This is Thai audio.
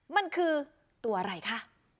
มันคือตัวอะไรคะ